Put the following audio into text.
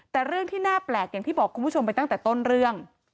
แต่เรื่องที่น่าแปลกอย่างที่บอกคุณผู้ชมไปตั้งแต่ต้นเรื่อง